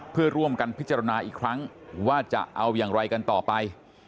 เพื่อร่วมกันพิจารณาอีกครั้งว่าจะเอาอย่างไรกันต่อไป